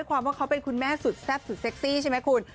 ความว่าเขาเป็นคุณแม่สุดแซ่บสุดเซ็กซี่ใช่ไหมคุณ